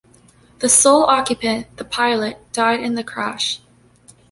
The sole occupant, the pilot, died in the crash.